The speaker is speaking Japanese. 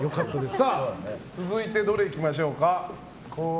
さあ、続いてどれいきましょうか。